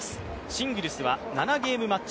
シングルスは７ゲームマッチ。